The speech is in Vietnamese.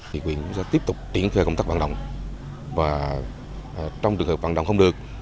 thị quyền sẽ tiếp tục triển khai công tác vạn động và trong trường hợp vạn động không được